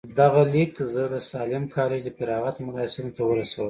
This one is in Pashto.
دغه ليک زه د ساليم کالج د فراغت مراسمو ته ورسولم.